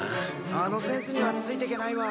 あのセンスにはついてけないわ。